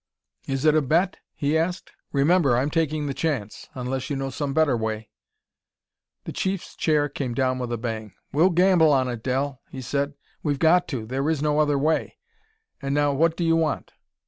"Is it a bet?" he asked. "Remember, I'm taking the chance unless you know some better way " The Chief's chair came down with a bang. "We'll gamble on it, Del," he said; "we've got to there is no other way.... And now what do you want?"